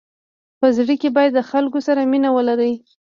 په زړه کي باید د خلکو سره مینه ولری.